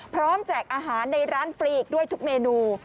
พร้อมแจกอาหารในร้านฟรีกด้วยทุกเมนู